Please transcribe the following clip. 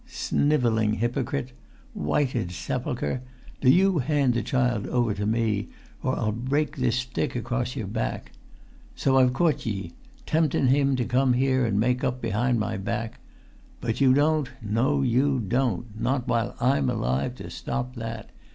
"Snivelling hypocrite! Whited sepulchre! Do you hand the child over to me, or I'll break this stick across your back. So I've caught ye, temptun him here to make up to him behind my back! But you don't—no, you don't—not while I'm alive to stop that.